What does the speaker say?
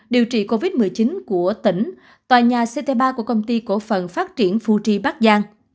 điều trị covid một mươi chín của tỉnh tòa nhà ct ba của công ty cổ phần phát triển phu tri bắc giang